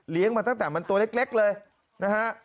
มาตั้งแต่มันตัวเล็กเลยนะฮะ